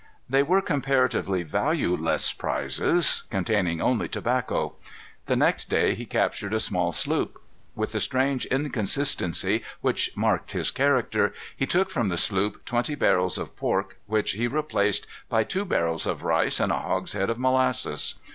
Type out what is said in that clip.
They were comparatively valueless prizes, containing only tobacco. The next day he captured a small sloop. With the strange inconsistency which marked his character, he took from the sloop twenty barrels of pork, which he replaced by two barrels of rice and a hogshead of molasses.